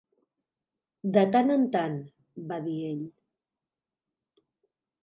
"De tant en tant", va dir ell.